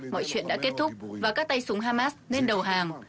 mọi chuyện đã kết thúc và các tay súng hamas lên đầu hàng